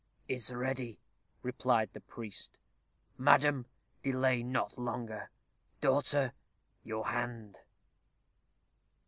"Is ready," replied the priest. "Madam, delay not longer. Daughter, your hand."